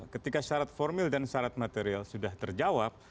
ketika syarat formil dan syarat material sudah terjawab